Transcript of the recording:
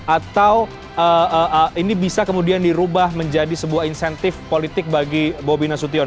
atau ini bisa kemudian dirubah menjadi sebuah insentif politik bagi bobi nasution